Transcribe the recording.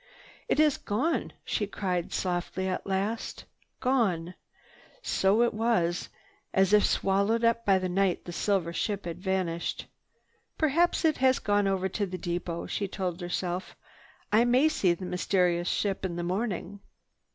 "It is gone!" she cried softly at last, "Gone!" So it was. As if swallowed up by the night, the silver ship had vanished. "Perhaps it has gone over to the depot," she told herself. "I may see that mysterious ship in the morning."